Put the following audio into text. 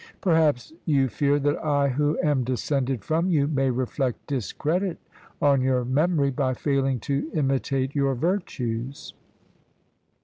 Perhaps you fear that I who am descended from you may reflect discredit on your memory by failing to imitate your virtues.'